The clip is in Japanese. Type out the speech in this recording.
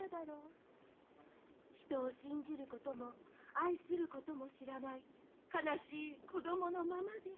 「人を信じることも愛することも知らない悲しい子供のままで」